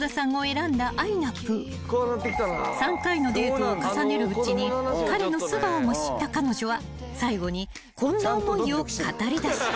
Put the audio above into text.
［３回のデートを重ねるうちに彼の素顔も知った彼女は最後にこんな思いを語りだした］